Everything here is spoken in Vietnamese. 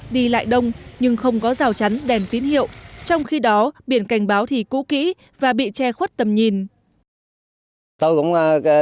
đi lại đông nhưng không có rào chắn đèn tín hiệu trong khi đó biển cảnh báo thì cũ kỹ và bị che khuất tầm nhìn